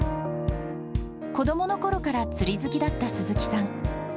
子どものころから釣り好きだった鈴木さん。